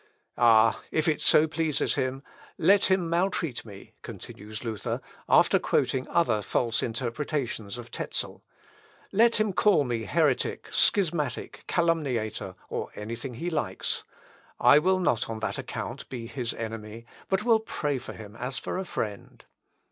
Ah! if it so pleases him, let him maltreat me," continues Luther, after quoting other false interpretations of Tezel; "let him call me heretic, schismatic, calumniator, or anything he likes; I will not on that account be his enemy, but will pray for him as for a friend.